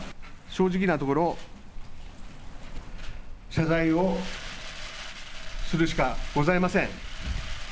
正直なところ謝罪をするしかございません。